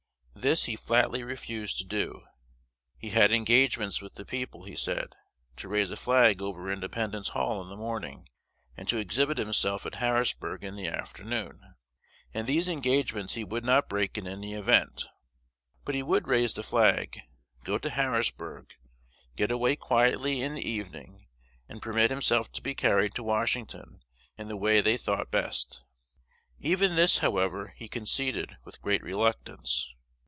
This he flatly refused to do. He had engagements with the people, he said, to raise a flag over Independence Hall in the morning, and to exhibit himself at Harrisburg in the afternoon; and these engagements he would not break in any event. But he would raise the flag, go to Harrisburg, "get away quietly" in the evening, and permit himself to be carried to Washington in the way they thought best. Even this, however, he conceded with great reluctance.